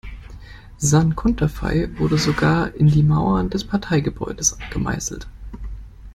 Sein Konterfei wurde sogar in die Mauer des Parteigebäudes gemeißelt.